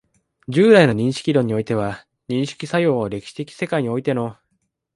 従来の認識論においては、認識作用を歴史的世界においての